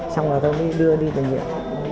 xong rồi tôi mới đưa đi tài liệu